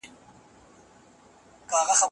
څوک د واده په ارمان دینه